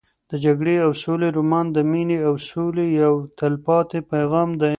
د جګړې او سولې رومان د مینې او سولې یو تلپاتې پیغام دی.